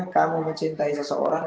kamu mencintai seseorang